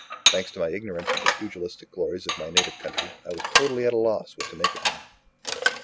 Thanks to my ignorance of the pugilistic glories of my native country, I was totally at a loss what to make of him.